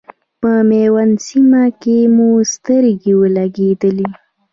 په میوند سیمه کې مو سترګې ولګېدلې.